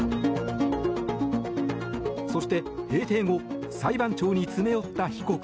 そして閉廷後裁判長に詰め寄った被告。